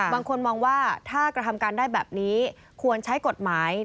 บางคนมองว่าถ้ากระทำการได้แบบนี้ควรใช้กฎหมาย